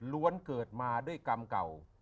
ล้วนเกิดมาด้วยกำเก่า